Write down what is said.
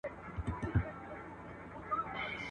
o زه دي د مار څخه نه بېرېږم، ته مي په شرمښکۍ بېروې.